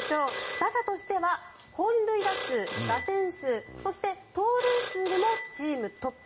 打者としては本塁打数そして盗塁数でもチームトップ。